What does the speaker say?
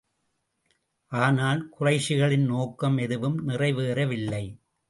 ஆனால், குறைஷிகளின் நோக்கம் எதுவும் நிறைவேறவில்லை.